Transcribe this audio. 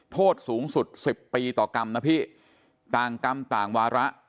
โทษสูงสุด๑๐ปีต่อกรรมนะพี่ต่างกรรมต่างวาระ